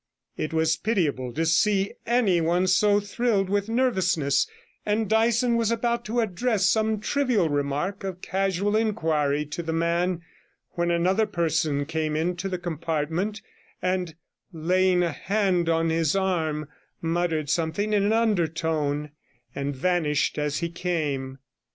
It was pitiable to see anyone so thrilled with nervousness, and Dyson was about to address some trivial remark of casual inquiry to the man, when another person came into the compartment, and, laying a hand on his arm, muttered something in an undertone, and vanished as he came.